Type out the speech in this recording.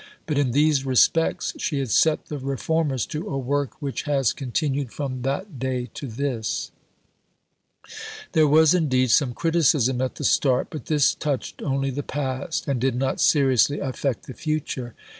But in these respects she had set the reformers to a work which has continued from that day to this. This incident was told in Sir Hugh Rose's letter. There was, indeed, some criticism at the start, but this touched only the past, and did not seriously affect the future.